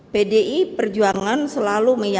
pdi perjuangan selalu menangkap